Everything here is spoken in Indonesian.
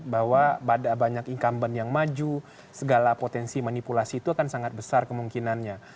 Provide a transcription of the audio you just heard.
bahwa banyak incumbent yang maju segala potensi manipulasi itu akan sangat besar kemungkinannya